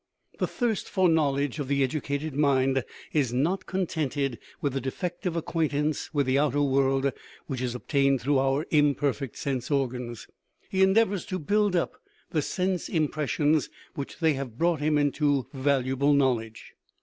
The thirst for knowledge of the educated mind is not contented with the defective acquaintance with the outer world which is obtained through our imperfect sense organs. He endeavors to build up the sense im pressions which they have brought him into valuable knowledge.